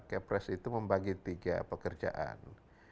kepres itu membagi tiga pekerjaan